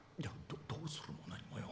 どうするも何もよ。